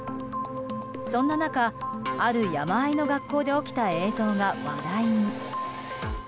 そんな中、ある山あいの学校で起きた映像が話題に。